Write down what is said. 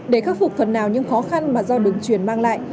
để khắc phục phần nào những khó khăn mà do đường truyền mang lại